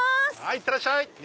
いってらっしゃい！